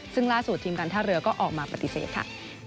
ซึ่งล่าสุดทีมการท่าเรือก็ออกมาปฏิเสธค่ะ